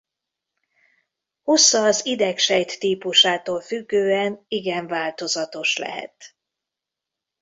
Hossza az idegsejt típusától függően igen változatos lehet.